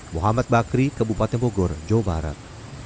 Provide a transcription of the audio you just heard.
mohamad bakri kebupaten bogor jawa barat